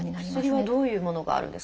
薬はどういうものがあるんですか？